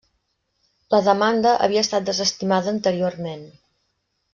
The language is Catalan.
La demanda havia estat desestimada anteriorment.